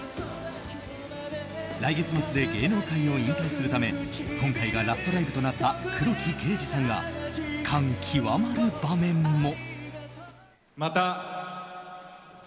来月末で芸能界を引退するため今回がラストライブとなった黒木啓司さんが感極まる場面も。